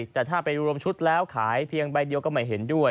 แต่ถ้าไปรวมชุดแล้วขายเพียงใบเดียวก็ไม่เห็นด้วย